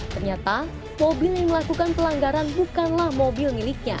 ternyata mobil yang melakukan pelanggaran bukanlah mobil miliknya